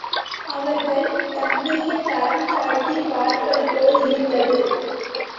அவர்கள் தன்னையே தரம் தாழ்த்திப் பார்ப்பதுபோல் இருந்தது.